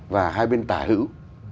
và hai bên tả hữu